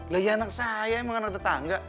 lah ya anak saya emang anak tetangga